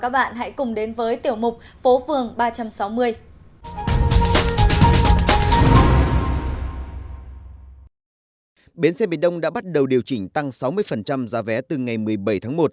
bến xe miền đông đã bắt đầu điều chỉnh tăng sáu mươi giá vé từ ngày một mươi bảy tháng một